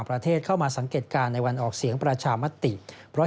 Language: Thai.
กตบอกไว้ดังนั้นสิ่งที่ไม่แน่ใจก็ไม่ควรทำ